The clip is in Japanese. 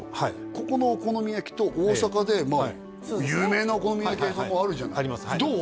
ここのお好み焼きと大阪で有名なお好み焼き屋さんもあるじゃないどう？